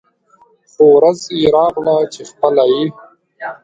خو ورځ يې راغله چې خپله یې